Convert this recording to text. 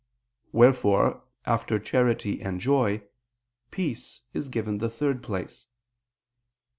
Wherefore after charity and joy, "peace" is given the third place.